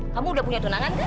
kamu udah punya tunangan gak